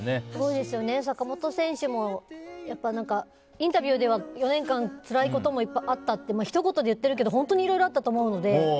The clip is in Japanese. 坂本選手もインタビューでは４年間つらいこともいっぱいあったってひと言で言っているけど本当にいろいろあったと思うので。